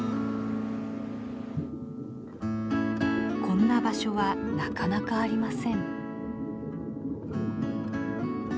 こんな場所はなかなかありません。